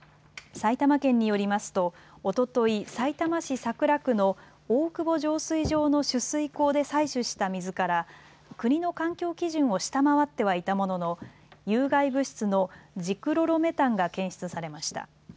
埼玉県によりますと、おとといさいたま市桜区の大久保浄水場の取水口で採取した水から国の環境基準を下回ってはいたものの有害物質のジクロロメタンが検出されました。